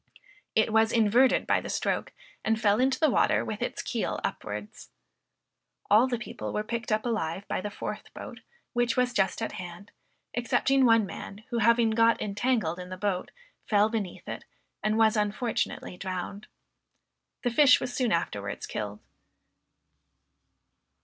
It was inverted by the stroke, and fell into the water with its keel upwards. All the people were picked up alive by the fourth boat, which was just at hand, excepting one man, who having got entangled in the boat, fell beneath it, and was unfortunately drowned. The fish was soon afterwards killed.